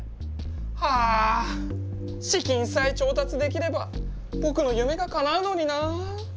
はあ資金さえ調達できれば僕の夢がかなうのにな。